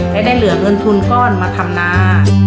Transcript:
และได้เหลือเงินทุนก้อนมาทำนา